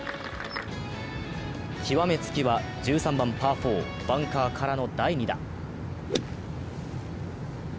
極めつきは１３番パー４、バンカーからの第２打。